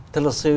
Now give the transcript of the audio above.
thưa luật sư